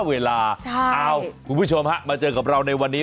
เวลาคุณผู้ชมฮะมาเจอกับเราในวันนี้